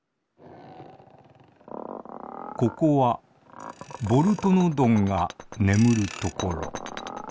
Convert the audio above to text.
ここはボルトノドンがねむるところ。